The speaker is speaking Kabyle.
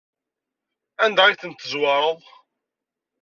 Anda ay tent-tezwareḍ?